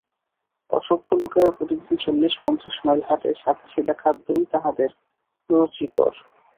অসভ্য লোকেরা প্রতিদিন চল্লিশ পঞ্চাশ মাইল হাঁটে, সাদাসিধা খাদ্যই তাহাদের রুচিকর।